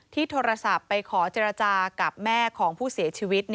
โทรศัพท์ไปขอเจรจากับแม่ของผู้เสียชีวิต